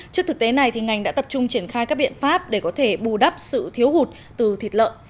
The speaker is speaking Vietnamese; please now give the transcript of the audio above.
trước thực tế này ngành đã tập trung triển khai các biện pháp để có thể bù đắp sự thiếu hụt từ thịt lợn